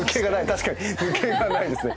確かに抜けがないですね。